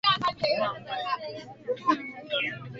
sikiliza rfi kiswahili kutoka hapa